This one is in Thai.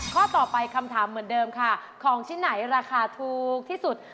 ข้อต่อไปคำถามเหมือนเดิมค่ะของชิ้นไหนราคาถูกที่สุด